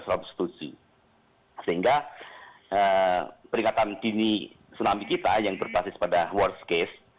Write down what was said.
sehingga peringatan dini tsunami kita yang berbasis pada worst case